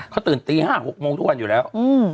เขาตื่นตี๕๖โมงทุกวันอยู่แล้ว